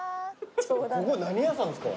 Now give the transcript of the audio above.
ここ何屋さんですか？